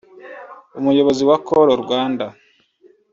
Umuyobozi wa Call Rwanda